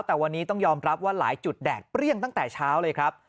แต่วันนี้ต้องยอมรับว่าหลายจุดแดดเปรี้ยงตั้งแต่เช้าเลยครับ